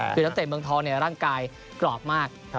คือนักเตะเมืองทองร่างกายกรอบมาก